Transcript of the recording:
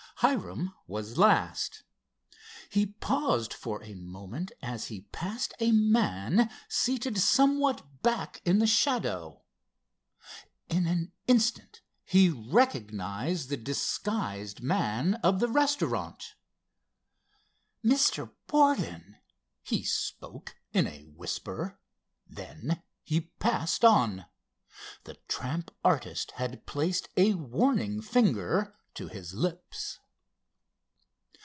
Hiram was last. He paused for a moment as he passed a man seated somewhat back in the shadow. In an instant he recognized the disguised man of the restaurant. "Mr. Borden!" he spoke in a whisper. Then he passed on. The tramp artist had placed a warning finger to his lips.